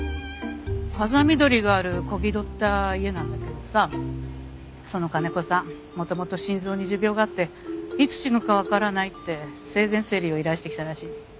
風見鶏がある小気取った家なんだけどさその金子さん元々心臓に持病があっていつ死ぬかわからないって生前整理を依頼してきたらしい。